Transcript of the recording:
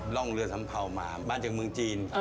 ร่องเรือสัมเภามามาจากเมืองจีน